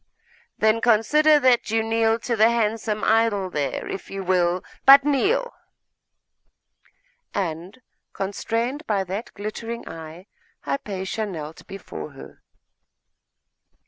'Then consider that you kneel to the handsome idol there, if you will but kneel!' And, constrained by that glittering eye, Hypatia knelt before her.